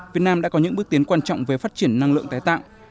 việt nam đã có những bước tiến quan trọng về phát triển năng lượng tái tạo